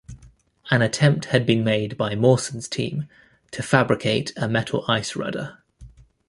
An attempt had been made by Mawson's team to fabricate a metal ice rudder.